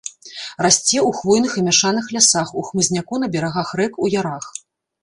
Расце ў хвойных і мяшаных лясах, у хмызняку на берагах рэк, у ярах.